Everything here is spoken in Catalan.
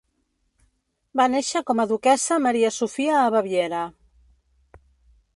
Va néixer com a duquessa Maria Sofia a Baviera.